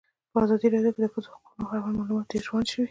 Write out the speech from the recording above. په ازادي راډیو کې د د ښځو حقونه اړوند معلومات ډېر وړاندې شوي.